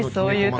はい。